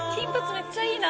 めっちゃいいな！